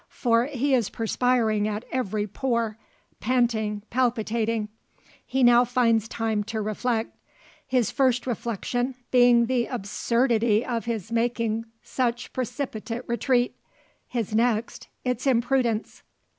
For he is perspiring at every pore, panting, palpitating. He now finds time to reflect; his first reflection being the absurdity of his making such precipitate retreat; his next, its imprudence.